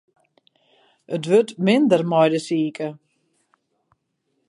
It wurdt minder mei de sike.